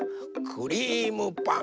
クリームパン。